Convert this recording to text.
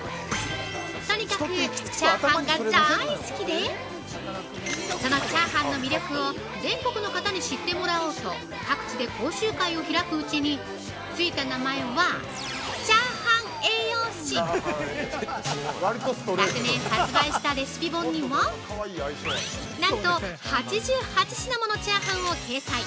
とにかくチャーハンが大好きでそのチャーハンの魅力を全国の方に知ってもらおうと各地で講習会を開くうちについた名前は「チャーハン栄養士」昨年発売したレシピ本にはなんと８８品ものチャーハンを掲載！